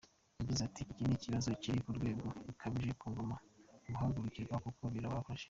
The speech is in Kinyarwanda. Yagize ati “Iki ni ikibazo kiri ku rwego rukabije kigomba guhagurukirwa kuko birababaje.